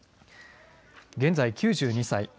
現在、９２歳。